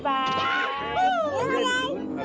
บ๊ายบาย